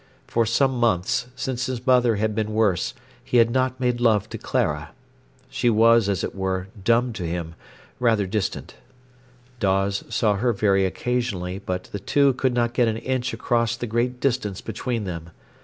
For some months, since his mother had been worse, he had not made love to Clara. She was, as it were, dumb to him, rather distant. Dawes saw her very occasionally, but the two could not get an inch across the great distance between them.